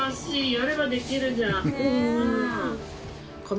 やればできるじゃん。